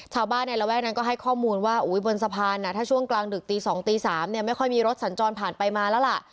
ชาวบ้านในระแวกนั้นก็ให้ข้อมูลว่าบนสะพานถ้าช่วงกลางดึกตี๒ตี๓เนี่ยไม่ค่อยมีรถสัญจรผ่านไปมาแล้วล่ะ